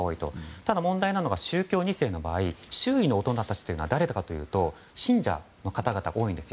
ただ、問題は宗教２世の場合周囲の大人たちは信者の方々が多いんですよ。